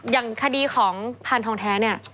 อย่างคดีของพานทองแท้เนี่ย